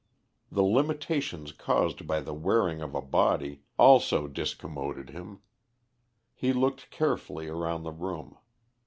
The limitations caused by the wearing of a body also discommoded him. He looked carefully around the room.